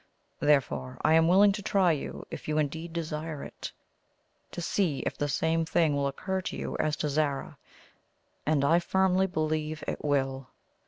Therefore, I am willing to try you if you indeed desire it to see if the same thing will occur to you as to Zara; and I firmly believe it will."